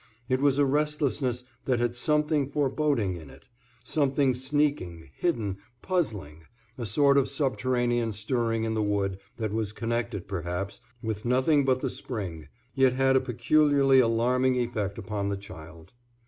It was a restlessness that had something foreboding in it, something sneaking, hidden, puzzling, a sort of subterranean stirring in the wood that was connected perhaps with nothing but the spring, yet had a peculiarly alarming effect upon the child.